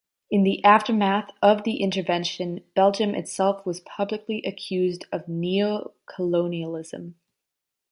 In the aftermath of the intervention, Belgium itself was publicly accused of neocolonialism.